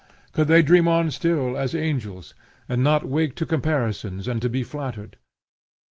Could they dream on still, as angels, and not wake to comparisons, and to be flattered!